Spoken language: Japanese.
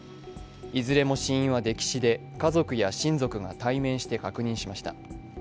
いずれも死因は溺死で家族や親族が対面して確認しました。